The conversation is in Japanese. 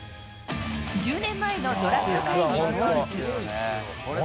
１０年前のドラフト会議当日。